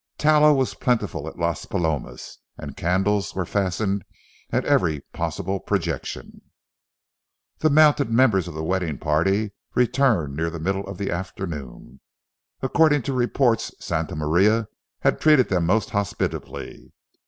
Tallow was plentiful at Las Palomas, and candles were fastened at every possible projection. The mounted members of the wedding party returned near the middle of the afternoon. According to reports, Santa Maria had treated them most hospitably.